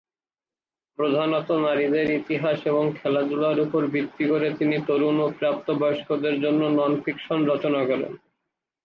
প্রধানত নারীদের ইতিহাস এবং খেলাধুলার উপর ভিত্তি করে তিনি তরুণ ও প্রাপ্তবয়স্কদের জন্য নন-ফিকশন রচনা করেন।